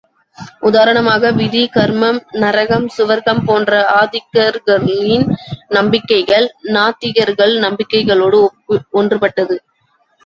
உதாரணமாக விதி, கர்மம், நரகம், சுவர்க்கம் போன்ற ஆத்திகர்களின் நம்பிக்கைகள், நாத்திகர்கள் நம்பிக்கைகளோடு ஒன்றுபட்டது.